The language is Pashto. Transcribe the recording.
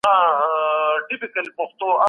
صنعتي کاروبار څنګه د تولید پلان جوړوي؟